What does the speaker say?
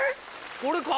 これか？